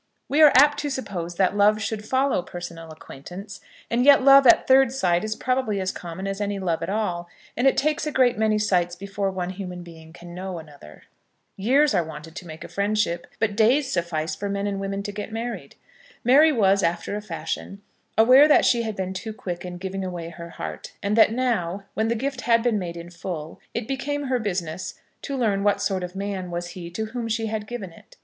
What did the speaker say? We are apt to suppose that love should follow personal acquaintance; and yet love at third sight is probably as common as any love at all, and it takes a great many sights before one human being can know another. Years are wanted to make a friendship, but days suffice for men and women to get married. Mary was, after a fashion, aware that she had been too quick in giving away her heart, and that now, when the gift had been made in full, it became her business to learn what sort of man was he to whom she had given it.